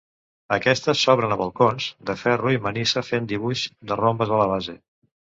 Aquestes s'obren a balcons, de ferro i manisa fent dibuix de rombes a la base.